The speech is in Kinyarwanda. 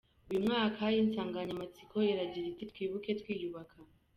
Uyu mwaka, insanganyamatsiko iragira iti “Twibuke twiyubaka.